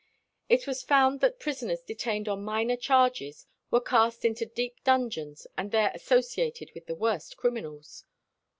It was found that prisoners detained on minor charges were cast into deep dungeons, and there associated with the worst criminals.